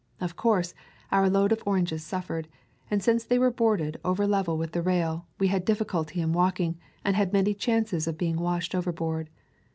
Of course our load of oranges suffered, and since they were boarded over level with the rail, we had difficulty in walking and had many chances of being washed overboard.